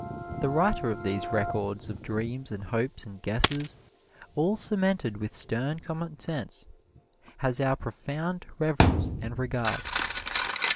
The writer of these records of dreams and hopes and guesses, all cemented with stern commonsense, has our profound reverence and regard.